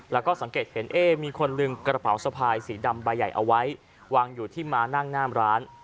แล้วก็สังเกตเห็นเอ๊มีคนลืมกระเป๋าสะพายสีดำใบใหญ่เอาไว้วางอยู่ที่ม้านั่งหน้ามร้าน